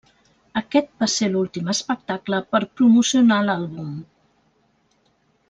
Aquest va ser l'últim espectacle per promocionar l'àlbum.